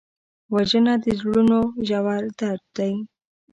وژنه د زړونو ژور درد دی